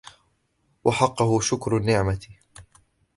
وَحَقُّهُ شُكْرُ النِّعْمَةِ